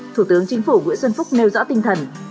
thủ tướng chính phủ nguyễn xuân phúc nêu rõ tinh thần